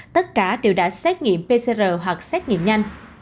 tất cả đều đã xét nghiệm pcr hoặc xét nghiệm nhanh